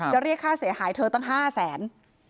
เรียกค่าเสียหายเธอตั้ง๕แสน